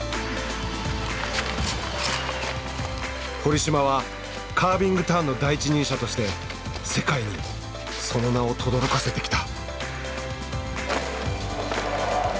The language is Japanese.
堀島はカービングターンの第一人者として世界にその名をとどろかせてきた。